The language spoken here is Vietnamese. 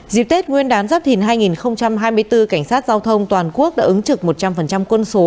dịp tết nguyên đán giáp thìn hai nghìn hai mươi bốn cảnh sát giao thông toàn quốc đã ứng trực một trăm linh quân số